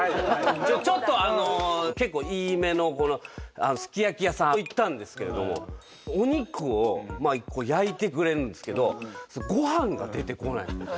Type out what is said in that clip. ちょっと結構いいめのすき焼き屋さん行ったんですけれどもお肉を焼いてくれるんですけどごはんが出てこない。